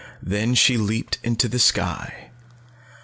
Then she leaped into the sky.